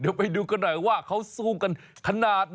เดี๋ยวไปดูกันหน่อยว่าเขาสู้กันขนาดไหน